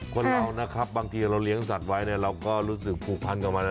คนเรานะครับบางทีเราเลี้ยงสัตว์ไว้เราก็รู้สึกผูกพันกับมัน